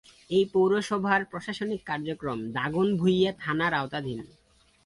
এ পৌরসভার প্রশাসনিক কার্যক্রম দাগনভূঞা থানার আওতাধীন।